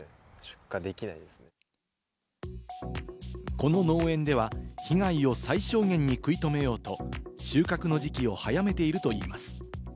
この農園では被害を最小限に食い止めようと、収穫の時期を早めているといいます。